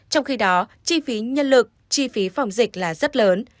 trong khi đó chi phí nhân lực chi phí phòng dịch là rất lớn